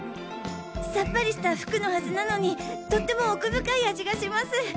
さっぱりしたふくのはずなのにとっても奥深い味がします。